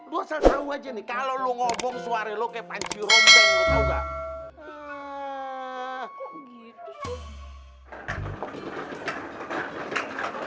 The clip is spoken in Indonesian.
lu asal tau aja nih kalo lu ngomong suara lu kayak panci rombeng tau gak